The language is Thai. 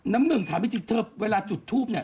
น้ำหนึ่งถามจริงเธอเวลาจุดทูปเนี่ย